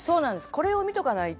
これを見とかないと。